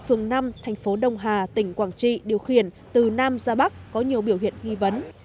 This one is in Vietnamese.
phường năm thành phố đông hà tỉnh quảng trị điều khiển từ nam ra bắc có nhiều biểu hiện nghi vấn